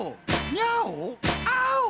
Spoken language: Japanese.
ニャーオ？アーオ！